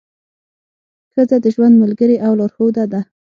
ښځه د ژوند ملګرې او لارښوده ده.